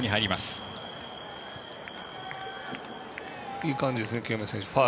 いい感じですね、清宮選手。